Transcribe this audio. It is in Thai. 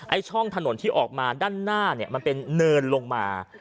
ช่องถนนที่ออกมาด้านหน้าเนี่ยมันเป็นเนินลงมา